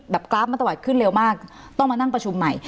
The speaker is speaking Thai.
กราฟมัตตะวันขึ้นเร็วมากต้องมานั่งประชุมใหม่